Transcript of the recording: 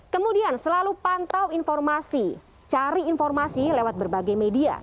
kemudian selalu pantau informasi cari informasi lewat berbagai media